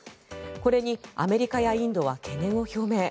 これにアメリカやインドは懸念を表明。